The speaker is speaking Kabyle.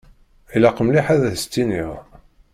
Ilaq mliḥ ad as-tt-iniɣ!